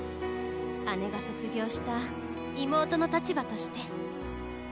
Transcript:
姉が卒業した妹の立場として。